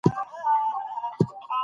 پرنګیان د غازيانو مقاومت کمزوری نسو کړای.